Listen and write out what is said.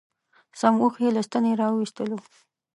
سم اوښ یې له ستنې را و ایستلو.